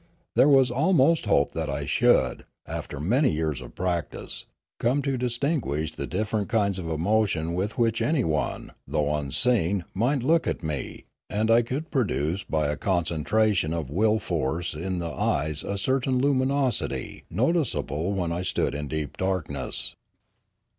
There was almost hope that I should, after many years* practice, come to distinguish the different kinds of emotion with which anyone, though unseen, might look at me; and I could produce by a concentration of will force in the eyes a certain luminosity, noticeable when I stood in deep darkness.